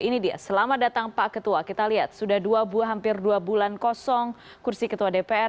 ini dia selamat datang pak ketua kita lihat sudah dua buah hampir dua bulan kosong kursi ketua dpr